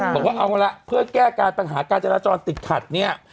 บอกว่าเอาละเพื่อแก้การปัญหาการจราจรติดขัดเนี่ย